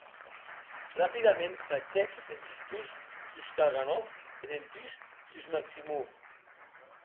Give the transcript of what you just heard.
Rapidaments tachèc es vistons sus Kalganov e dempús sus Maksimov.